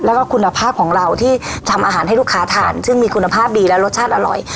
แล้วก็คุณภาพของเราที่ทำอาหารให้ลูกค้าทานซึ่งมีคุณภาพดีและรสชาติอร่อย